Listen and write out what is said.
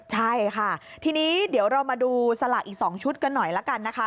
ใช่ค่ะทีนี้เดี๋ยวเรามาดูสลากอีก๒ชุดกันหน่อยละกันนะคะ